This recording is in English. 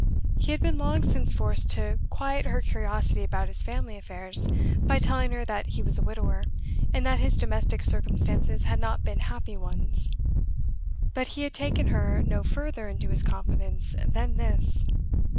He had been long since forced to quiet her curiosity about his family affairs by telling her that he was a widower, and that his domestic circumstances had not been happy ones; but he had taken her no further into his confidence than this.